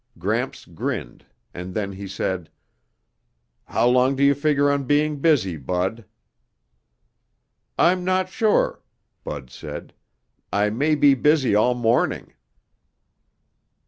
Gramps grinned, and then he said, "How long do you figure on being busy, Bud?" "I'm not sure," Bud said. "I may be busy all morning."